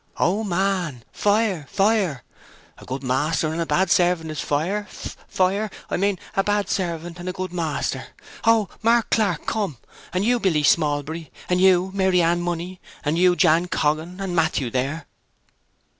"O, man—fire, fire! A good master and a bad servant is fire, fire!—I mane a bad servant and a good master. Oh, Mark Clark—come! And you, Billy Smallbury—and you, Maryann Money—and you, Jan Coggan, and Matthew there!"